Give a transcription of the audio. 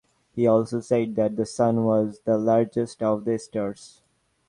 He also said that the Sun was the largest of the stars.